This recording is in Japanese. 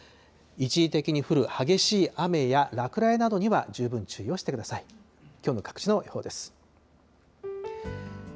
一時的に降る激しい雨や、落雷などには十分注意をしてください。